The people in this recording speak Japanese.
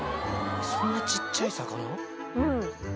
そんなちっちゃい魚？